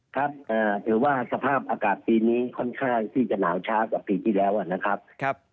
ครับถือว่าสภาพอากาศปีนี้ค่อนข้างที่จะหนาวช้ากว่าปีที่แล้วนะครับ